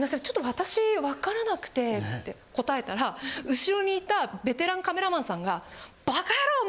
ちょっと私わからなくて」って答えたら後ろにいたベテランカメラマンさんが。